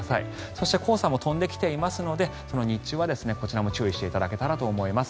そして黄砂も飛んできていますので日中はこちらも注意していただけたらと思います。